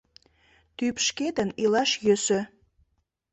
Тӱп шкетын илаш йӧсӧ.